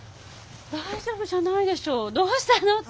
大丈夫じゃないでしょどうしたのって。